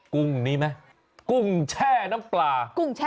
กุ้งนี้ไหมกุ้งแช่น้ำปลากุ้ง